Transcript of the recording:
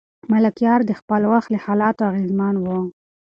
ملکیار د خپل وخت له حالاتو اغېزمن و.